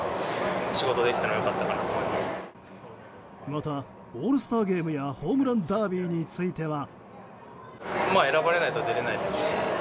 また、オールスターゲームやホームランダービーについては。